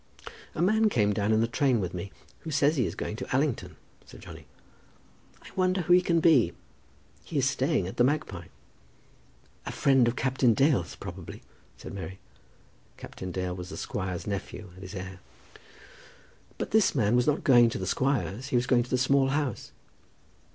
"A man came down in the train with me who says he is going over to Allington," said Johnny. "I wonder who he can be. He is staying at 'The Magpie.'" "A friend of Captain Dale's, probably," said Mary. Captain Dale was the squire's nephew and his heir. "But this man was not going to the squire's. He was going to the Small House."